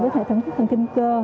với hệ thống thần kinh cơ